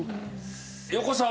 横澤。